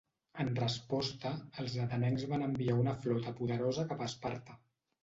En resposta, els atenencs van enviar una flota poderosa cap a Esparta.